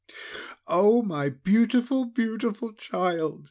"Oh! my beautiful, beautiful child!"